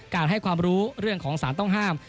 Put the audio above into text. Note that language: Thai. ให้ความรู้เรื่องของสารต้องห้าม